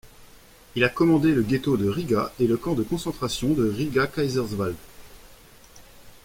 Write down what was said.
Il a commandé le Ghetto de Riga et le camp de concentration de Riga-Kaiserwald.